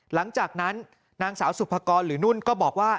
หลังจากนั้นนางสาวสุภกรหรือนุ่นก็บอกว่า